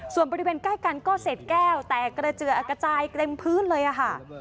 ส่วนบริเวณใกล้กันก็เศษแก้วแตกกระเจือกระจายเต็มพื้นเลยค่ะ